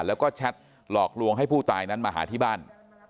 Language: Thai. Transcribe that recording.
แล้วก็แชทหลอกลวงให้ผู้ตายนั้นมาหาที่บ้าน